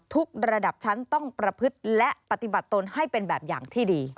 ระดับชั้นต้องประพฤติและปฏิบัติตนให้เป็นแบบอย่างที่ดี